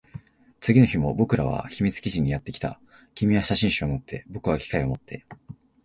次の日も僕らは秘密基地にやってきた。君は写真集を持って、僕は機械を持って。